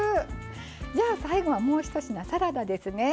じゃあ最後はもうひと品サラダですね。